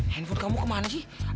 handphone kamu kemana sih